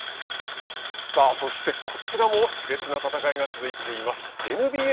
さあそして、こちらもしれつな戦いが続いています。